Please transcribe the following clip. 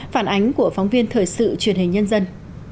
phản ánh của phóng viên thời sự truyền hình nhân dân